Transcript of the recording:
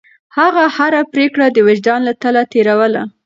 هغه هره پرېکړه د وجدان له تله تېروله.